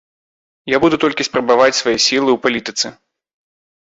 Я буду толькі спрабаваць свае сілы ў палітыцы.